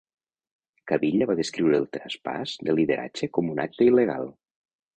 Cavilla va descriure el traspàs de lideratge com un acte il·legal.